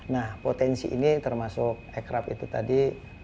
nah potensi ini termasuk ekrab itu tadi